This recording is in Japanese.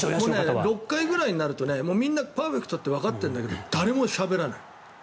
６回ぐらいになるとみんなパーフェクトってわかってるんだけど誰もしゃべらない。